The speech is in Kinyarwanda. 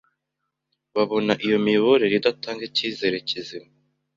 babona ko iyo miyoborere idatanga icyizere kizima,